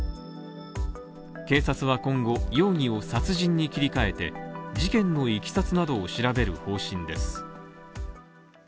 警察は今後、容疑を殺人に切り替えて、事件の経緯などを調べる方針です。